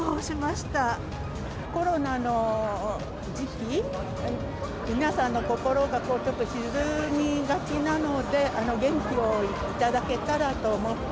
コロナの時期、皆さんの心がちょっと沈みがちなので、元気を頂けたらと思って。